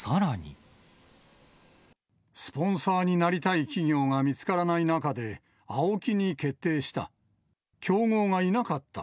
スポンサーになりたい企業が見つからない中で、ＡＯＫＩに決定した。